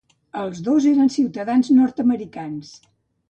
Els dos eren ciutadans nord-americans.